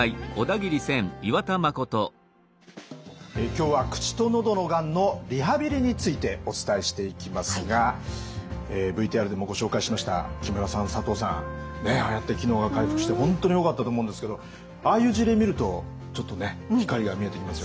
今日は口と喉のがんのリハビリについてお伝えしていきますがＶＴＲでもご紹介しました木村さん佐藤さんああやって機能が回復して本当によかったと思うんですけどああいう事例見るとちょっとね光が見えてきますよね。